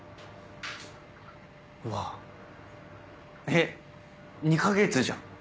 うわえっ２か月じゃん。